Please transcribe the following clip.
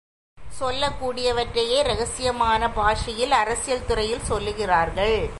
சொல்லக் கூடியவற்றையே, இரகசியமான பாஷையில் அரசியல் துறையில் சொல்லுகிறார்கள்.